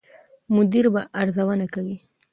مدیر به ارزونه کوي.